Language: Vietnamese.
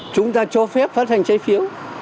chúng ta cho phép phát hành trái phiếu